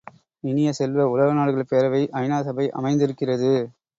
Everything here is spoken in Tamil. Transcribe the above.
இனிய செல்வ, உலக நாடுகள் பேரவை ஐ.நா. சபை அமைந்திருக்கிறது.